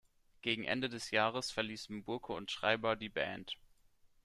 Gegen Ende des Jahres verließen Burke und Schreiber die Band.